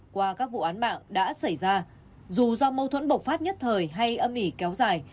qua các vụ án mạng đã xảy ra dù do mâu thuẫn bộc phát nhất thời hay âm ỉ kéo dài